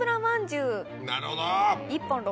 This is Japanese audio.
なるほど！